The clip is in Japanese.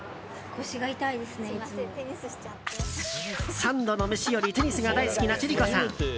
三度の飯よりテニスが大好きな千里子さん。